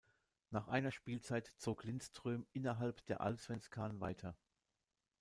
Nach einer Spielzeit zog Lindström innerhalb der Allsvenskan weiter.